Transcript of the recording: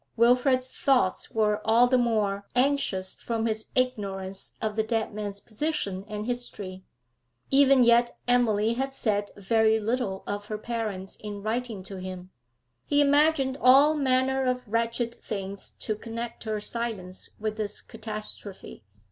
Wilfrid's thoughts were all the more anxious from his ignorance of the dead man's position and history. Even yet Emily had said very little of her parents in writing to him; he imagined all manner of wretched things to connect her silence with this catastrophe.